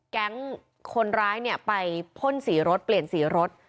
แก๊งคนร้ายเนี่ยไปพ่นสีรถเปลี่ยนสีรถ